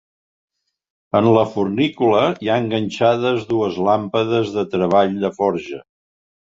En la fornícula hi ha enganxades dues làmpades de treball de forja.